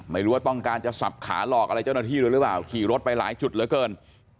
ไม่รู้ว่าต้องการจะสับขาหลอกอะไรเจ้าหน้าที่ด้วยหรือเปล่าขี่รถไปหลายจุดเหลือเกิน